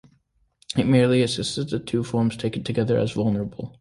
It merely assesses the two forms taken together, as vulnerable.